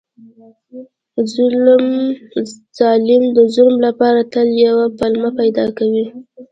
ظالم د ظلم لپاره تل یوه پلمه پیدا کوي.